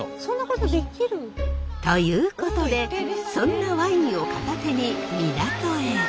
そんなことできる。ということでそんなワインを片手に港へ。